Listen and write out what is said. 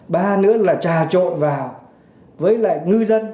ba nữa là trà trộn vào với lại ngư dân